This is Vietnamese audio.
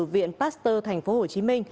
viện pasteur tp hcm